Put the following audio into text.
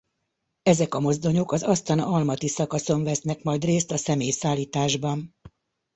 Ezek a mozdonyok az Asztana-Almaty szakaszon vesznek majd részt a személyszállításban.